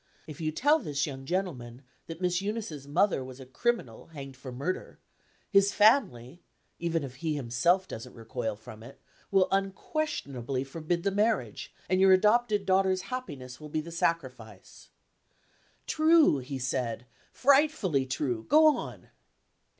If you tell this young gentleman that Miss Eunice's mother was a criminal hanged for murder, his family even if he himself doesn't recoil from it will unquestionably forbid the marriage; and your adopted daughter's happiness will be the sacrifice." "True!" he said. "Frightfully true! Go on."